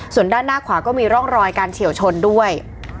ส่วนด้านหน้าขวาก็มีร่องรอยการเฉียวชนด้วย